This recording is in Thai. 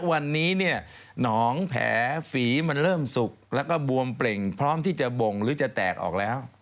วันนี้เนี่ยหนองแผลฝีมันเริ่มสุกแล้วก็บวมเปล่งพร้อมที่จะบ่งหรือจะแตกออกแล้ว